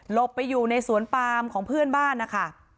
ไปอยู่ในสวนปามของเพื่อนบ้านนะคะ